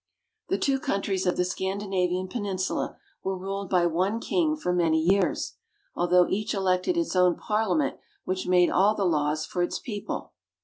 The two countries of the Scandinavian Peninsula were ruled by one King for many years, although each elected its own Parliament which made all the laws for its people.